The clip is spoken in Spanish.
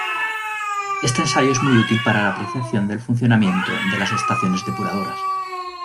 Este ensayo es muy útil para la apreciación del funcionamiento de las estaciones depuradoras.